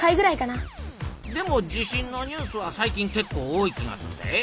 でも地震のニュースは最近けっこう多い気がするで。